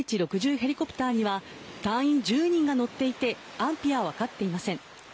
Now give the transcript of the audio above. ヘリコプターには隊員１０人が乗っていて安否は分かっていません。